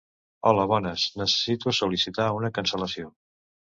Hola bones, necessito sol·licitar una cancel·lació.